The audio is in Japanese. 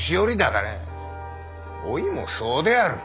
おいもそうである。